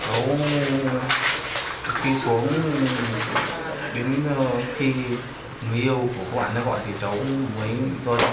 cháu khi xuống đến khi người yêu của quả nó gọi thì cháu mới